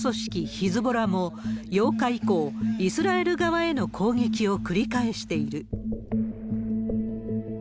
ヒズボラも、８日以降、イスラエル側への攻撃を繰り返している。